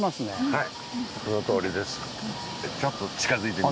はい。